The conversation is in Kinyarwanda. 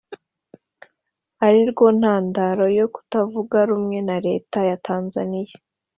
ari rwo ntandaro yo kutavuga rumwe na leta ya tanzaniya